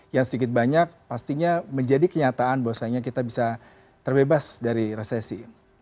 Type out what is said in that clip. yang sedikit banyak pastinya menjadi kenyataan bahwasanya kita bisa terbebas dari resesi